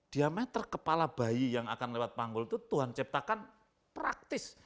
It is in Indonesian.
diameter kepala bayi yang akan lewat panggul itu tuhan ciptakan praktis